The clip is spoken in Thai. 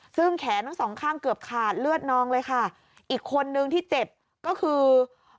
ซึ่งแขนทั้งสองข้างเกือบขาดเลือดนองเลยค่ะอีกคนนึงที่เจ็บก็คือ